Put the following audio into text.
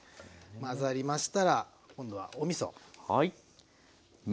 混ざりましたら今度はおみそ。